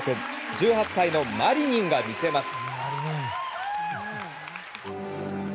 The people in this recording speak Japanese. １８歳のマリニンが見せます。